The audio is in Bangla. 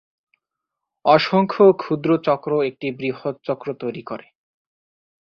অসংখ্য ক্ষুদ্র চক্র একটি বৃহৎ চক্র তৈরি করে।